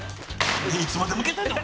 いつまで向けてんねん！